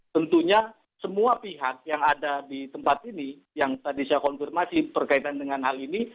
tentunya semua pihak yang ada di tempat ini yang tadi saya konfirmasi berkaitan dengan hal ini